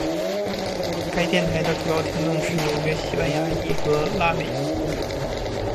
该电台的主要听众是纽约的西班牙裔和拉美裔。